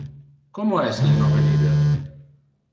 Como es le nove leader?